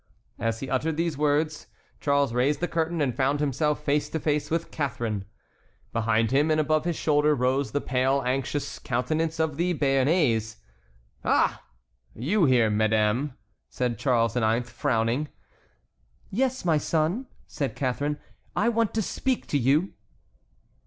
As he uttered these words, Charles raised the curtain and found himself face to face with Catharine. Behind him and above his shoulder rose the pale, anxious countenance of the Béarnais. "Ah! you here, madame?" said Charles IX., frowning. "Yes, my son," said Catharine, "I want to speak to you."